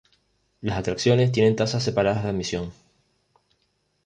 Las atracciones tienen tasas separadas de admisión.